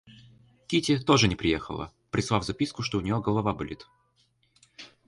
Кити тоже не приехала, прислав записку, что у нее голова болит.